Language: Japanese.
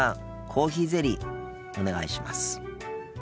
コーヒーゼリーお願いします。